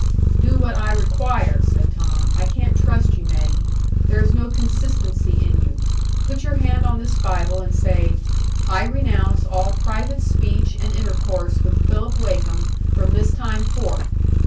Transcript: "Do what I require," said Tom. "I can't trust you, Maggie. There is no consistency in you. Put your hand on this Bible, and say, 'I renounce all private speech and intercourse with Philip Wakem from this time forth.